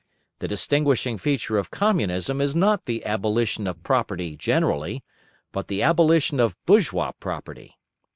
The distinguishing feature of Communism is not the abolition of property generally, but the abolition of bourgeois property.